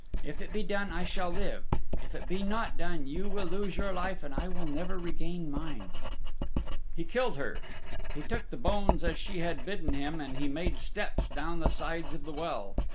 If it be done I shall live. If it be not done you will lose your life and I will never regain mine." He killed her. He took the bones as she had bidden him, and he made steps down the sides of the well.